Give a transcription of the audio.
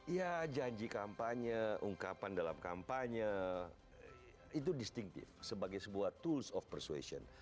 ya janji kampanye ungkapan dalam kampanye itu distinctive sebagai sebuah tools of persuasion